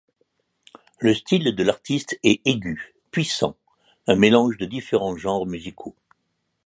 Le style de l'artiste est aigu, puissant, un mélange de différents genres musicaux.